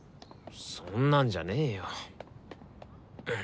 そんなんじゃねえよ。